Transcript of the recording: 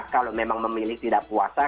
kalau memang memilih tidak puasa